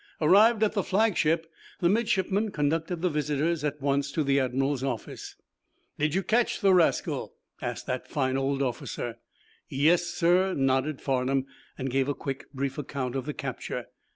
Arrived at the flagship, the midshipman conducted the visitors at once to the admiral's office. "Did you catch the rascal?" asked that fine old officer. "Yes, sir," nodded Farnum, and gave a quick, brief account of the capture.